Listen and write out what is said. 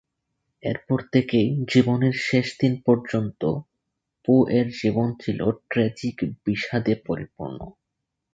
এরপর থেকে জীবনের শেষদিন পর্যন্ত পো-এর জীবন ছিল ট্র্যাজিক বিষাদে পরিপূর্ণ।